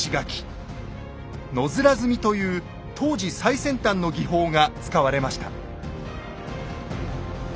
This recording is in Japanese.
「野面積み」という当時最先端の技法が使われました。